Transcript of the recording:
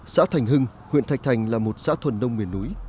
xã thành hưng huyện thạch thành là một xã thuần nông miền núi